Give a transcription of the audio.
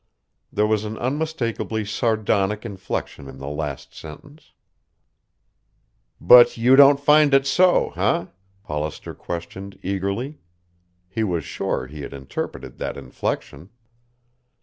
There was an unmistakably sardonic inflection in the last sentence. "But you don't find it so, eh?" Hollister questioned eagerly. He was sure he had interpreted that inflection.